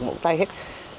một tay hết